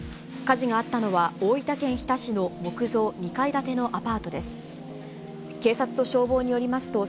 火事があったのは、大分県日田市の木造２階建てのアパートです。